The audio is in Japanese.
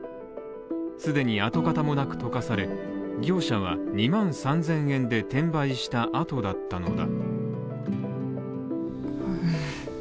既に跡形もなく溶かされ、業者は２万３０００円で転売した後だったのだ。